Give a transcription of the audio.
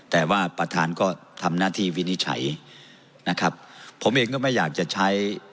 แต่ว่าประธานก็ทำหน้าที่วินิจฉัยนะครับผมเองก็ไม่อยากจะใช้